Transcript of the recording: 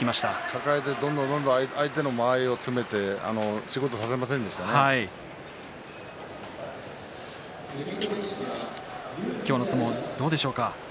抱えてどんどん相手の間合いを詰めて今日の相撲どうでしょうか。